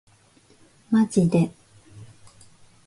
マジで